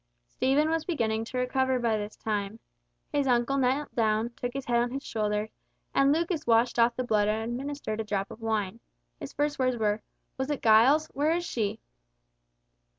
Stephen was beginning to recover by this time. His uncle knelt down, took his head on his shoulder, and Lucas washed off the blood and administered a drop of wine. His first words were: "Was it Giles? Where is she?"